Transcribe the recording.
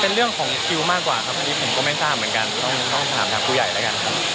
เป็นเรื่องของคิวมากกว่าครับอันนี้ผมก็ไม่ทราบเหมือนกันต้องถามทางผู้ใหญ่แล้วกันครับ